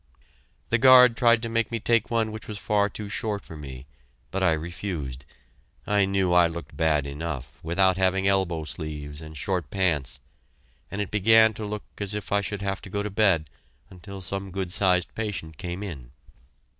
The guard tried to make me take one which was far too short for me, but I refused. I knew I looked bad enough, without having elbow sleeves and short pants; and it began to look as if I should have to go to bed until some good sized patient came in.